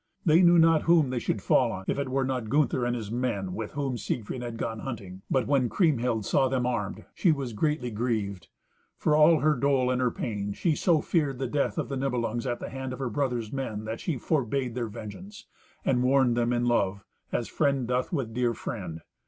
They knew not whom they should fall on, if it were not Gunther and his men, with whom Siegfried had gone hunting. But when Kriemhild saw them armed, she was greatly grieved. For all her dole and her pain, she so feared the death of the Nibelungs at the hand of her brother's men that she forbade their vengeance, and warned them in love, as friend doth with dear friend.